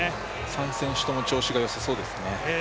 ３選手とも調子が良さそうですね。